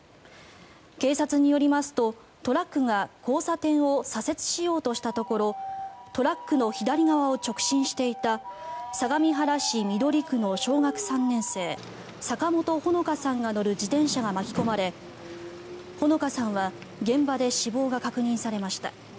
警察によりますとトラックが交差点を左折しようとしたところトラックの左側を直進していた相模原市緑区の小学３年生坂本穂香さんが乗る自転車が巻き込まれ穂香さんは現場で死亡が確認されました。